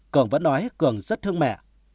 cường vẫn nói cường rất thương mẹ